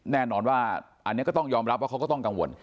แน่นอนว่าอันนี้ก็ต้องยอมรับว่าเขาก็ต้องกังวล